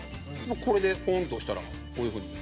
これで、ポンって押したらこういう風に。